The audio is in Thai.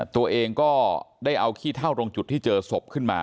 ตัวเองก็ได้เอาขี้เท่าตรงจุดที่เจอศพขึ้นมา